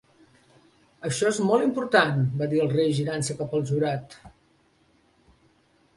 "Això és molt important", va dir el rei, girant-se cap al jurat.